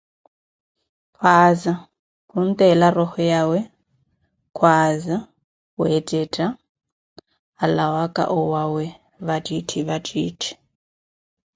Kasa, khunttela roho yawe, khwaaza weettetta alawaka owawe, vattitthi vattitthi!